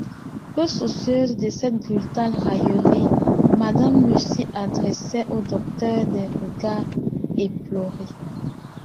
Peu soucieuse de cette brutale raillerie, Madame Lucy adressait au docteur des regards éplorés.